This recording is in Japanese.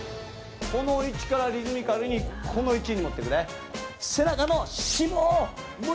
この位置からリズミカルにこの位置に行くのね。